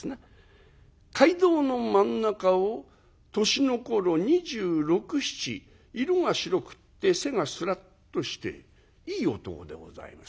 街道の真ん中を年の頃２６２７色が白くって背がスラッとしていい男でございます。